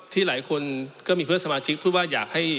หลายคนก็มีเพื่อนสมาชิกพูดว่าอยากให้